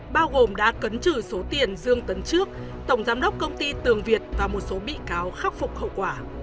bao gồm đã cấn trừ số tiền dương tấn trước tổng giám đốc công ty tường việt và một số bị cáo khắc phục hậu quả